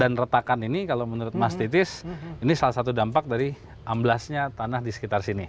dan retakan ini kalau menurut mas titis ini salah satu dampak dari amblasnya tanah di sekitar sini